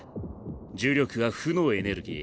呪力は負のエネルギー。